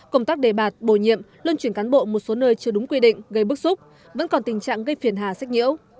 công tác đề bạt bồi nhiệm lươn chuyển cán bộ một số nơi chưa đúng quy định gây bức xúc vẫn còn tình trạng gây phiền hà sách nhiễu